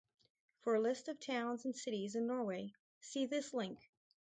For a list of towns and cities in Norway, see this link.